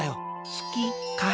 すきかあ。